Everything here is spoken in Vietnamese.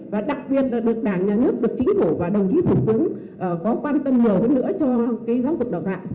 và đặc biệt là được đảng nhà nước được chính phủ và đồng chí thủ tướng có quan tâm nhiều hơn nữa cho giáo dục đồng hạ